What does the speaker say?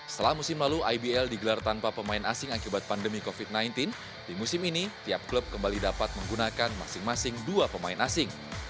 setelah musim lalu ibl digelar tanpa pemain asing akibat pandemi covid sembilan belas di musim ini tiap klub kembali dapat menggunakan masing masing dua pemain asing